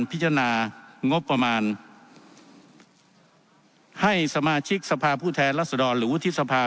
พิจารณางบประมาณให้สมาชิกสภาพผู้แทนรัศดรหรือวุฒิสภา